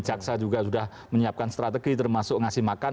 jaksa juga sudah menyiapkan strategi termasuk ngasih makan